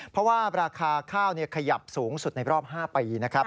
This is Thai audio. เพราะว่าราคาข้าวขยับสูงสุดในรอบ๕ปีนะครับ